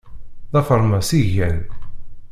D afermas i gan.